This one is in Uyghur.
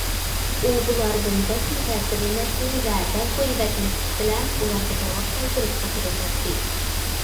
ئۇ بۇلاردىن بەكمۇ تەسىرلىنەتتى ۋە بەل قويۇۋەتمەسلىك بىلەن ئۇلارغا جاۋاب قايتۇرۇشقا تىرىشاتتى.